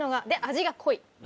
で味が濃い。